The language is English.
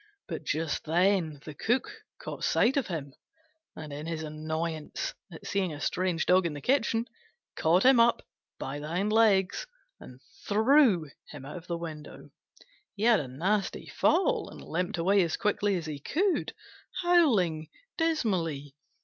But just then the Cook caught sight of him, and, in his annoyance at seeing a strange Dog in the kitchen, caught him up by the hind legs and threw him out of the window. He had a nasty fall, and limped away as quickly as he could, howling dismally.